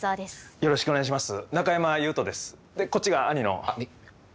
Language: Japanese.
よろしくお願いします。